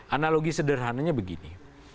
analogi sederhananya begini